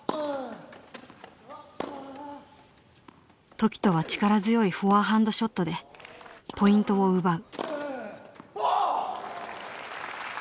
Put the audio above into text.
凱人は力強いフォアハンドショットでポイントを奪う。